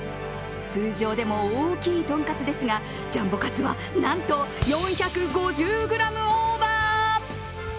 通常でも大きいトンカツですが、ジャンボカツは、なんと４５０ｇオーバー。